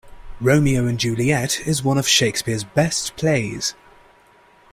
Romeo and Juliet is one of Shakespeare’s best plays